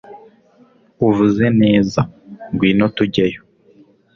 uvuze neza! ngwino tujyeyo